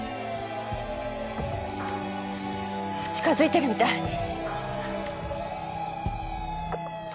近づいてるみたい。